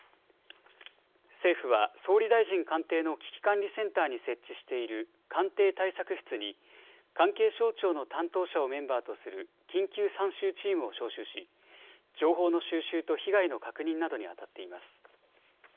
政府は総理大臣官邸の危機管理センターに設置している官邸対策室に関係省庁の担当者をメンバーとする緊急参集チームを招集し、情報の収集と被害の確認などに当たっています。